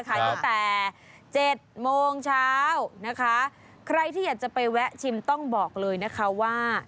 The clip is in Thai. ตั้งแต่เจ็ดโมงเช้านะคะใครที่อยากจะไปแวะชิมต้องบอกเลยนะคะว่า